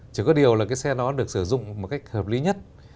chỉ có điều là cái xe nó được sử dụng một cách hợp lý nhất